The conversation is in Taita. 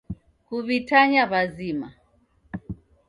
Kuw'itanya w'azima.